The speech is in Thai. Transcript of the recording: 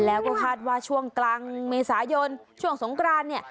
แล้วก็คาดว่าช่วงกลางเมษายนช่วงสงกรานเนี่ย